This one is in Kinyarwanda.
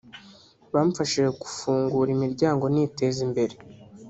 bamfashije kufungura imiryango niteza imbere